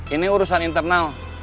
ini urusan internal